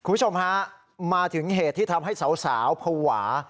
คุณผู้ชมฮะมาถึงเหตุที่ทำให้สาวภาวะ